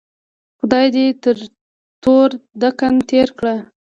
خدای دې تر تور دکن تېر کړه.